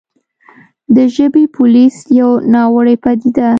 د «ژبې پولیس» يوه ناوړې پديده